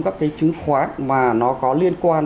các cái chứng khoán mà nó có liên quan